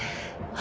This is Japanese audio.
あ！